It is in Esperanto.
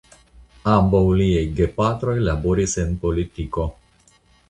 Ambaŭ liaj gepatroj laboris en politiko.